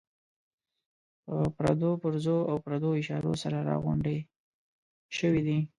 په پردو پرزو او پردو اشارو سره راغونډې شوې دي.